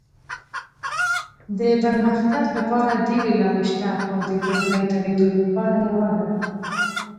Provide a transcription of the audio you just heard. د پرمختګ لپاره ډېرې لارې شته خو د پر ځای درېدو لاره یوه ده.